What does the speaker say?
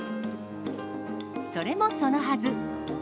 それもそのはず。